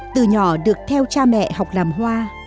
từ nhỏ được theo cha mẹ học làm hoa